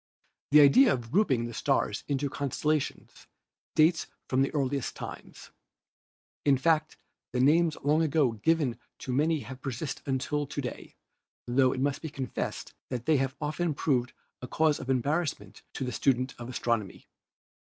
The idea of grouping the stars into constellations dates from the earliest times. In fact the names long ago given to many have persisted until to day, tho it must be confessed that they have often proved a cause of embarrassment to the student of astronomy.